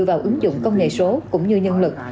vào ứng dụng công nghệ số cũng như nhân lực